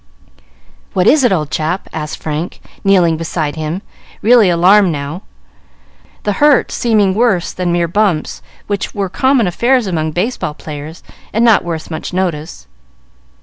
"What is it, old chap?" asked Frank, kneeling beside him, really alarmed now, the hurts seeming worse than mere bumps, which were common affairs among baseball players, and not worth much notice.